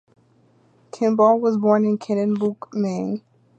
Kimball was born in Kennebunk, Maine.